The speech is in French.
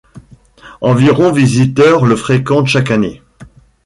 Environ visiteurs le fréquentent chaque année.